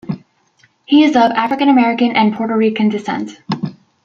He is of African American and Puerto Rican descent.